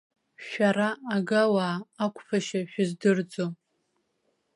Шәара агауаа ақәԥашьа шәыздырӡом.